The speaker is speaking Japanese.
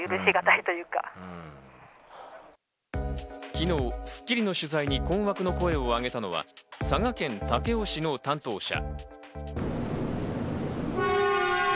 昨日『スッキリ』の取材に困惑の声を上げたのは、佐賀県武雄市の担当者。